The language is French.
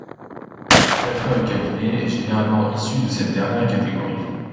Le directeur de cabinet est généralement issu de cette dernière catégorie.